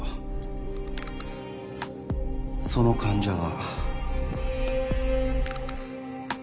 その患者は。